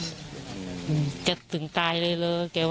คุณสังเงียมต้องตายแล้วคุณสังเงียม